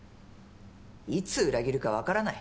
いつ裏切るかわからない。